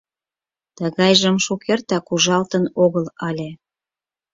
— Тыгайжым шукертак ужалтын огыл ыле.